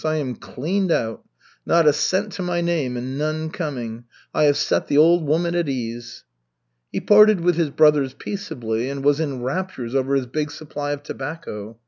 I am cleaned out. Not a cent to my name, and none coming. I have set the old woman at ease." He parted with his brothers peaceably, and was in raptures over his big supply of tobacco.